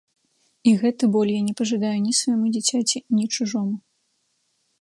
І гэты боль я не пажадаю ні свайму дзіцяці ні чужому.